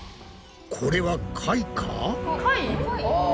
これは貝か！？